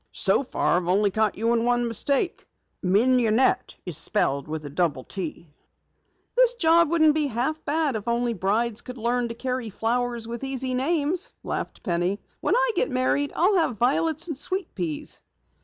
"So far I've only caught you in one mistake. Mignonette is spelled with a double t." "This job wouldn't be half bad if only brides could learn to carry flowers with easy names," laughed Penny. "When I get married I'll have violets and sweet peas!"